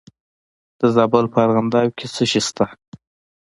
د زابل په ارغنداب کې څه شی شته؟